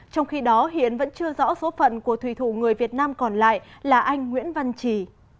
trong khi đó hiện vẫn chưa rõ số phận của thủy thủ người việt nam còn lại là anh nguyễn văn trì